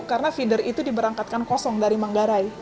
karena feeder itu diberangkatkan kosong dari manggarai